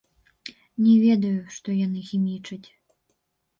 Не ведаю, што яны хімічаць.